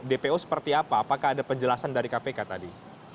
dpo seperti apa apakah ada penjelasan dari kpk tadi